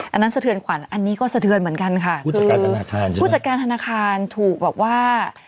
อันนั้นเสถือนขวัญอันนี้ก็เสถือนเหมือนกันค่ะคือผู้จัดการธนาคารใช่ไหมผู้จัดการธนาคารถูกแบบว่า